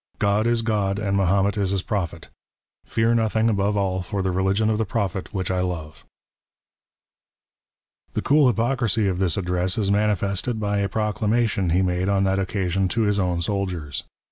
God is " God, and Mahomet is his Prophet ! Fear notliing above all for '' the religion of the Prophet, which I love." The cool hypocrisy of this Address is manifested by a proclamation he made on that occasion to his own soldiers.